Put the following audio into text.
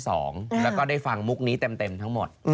ในรอบที่๒แล้วก็ได้ฟังมุกนี้เต็มทั้งหมด